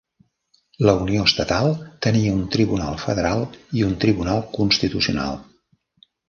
La Unió Estatal tenia un Tribunal Federal i un Tribunal Constitucional.